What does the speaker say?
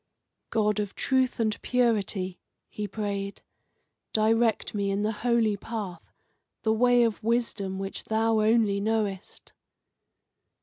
"God of truth and purity," he prayed, "direct me in the holy path, the way of wisdom which Thou only knowest."